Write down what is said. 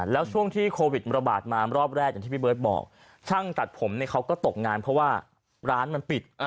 แล้วช่วงที่โควิดระบาดมารอบแรกอย่างที่พี่เบิร์ตบอกช่างตัดผมเนี่ยเขาก็ตกงานเพราะว่าร้านมันปิด